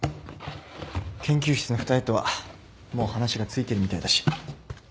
研究室の２人とはもう話がついてるみたいだし。